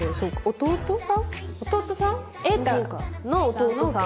弟さん？